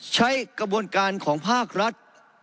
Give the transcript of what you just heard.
ใช้กระบวนการของภาครัฐ